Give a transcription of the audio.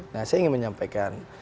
nah saya ingin menyampaikan